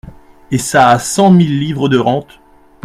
Et ça a cent mille livres de rente !…